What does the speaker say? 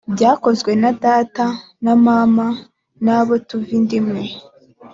byakozwe na data na mama n abo tuva inda imwe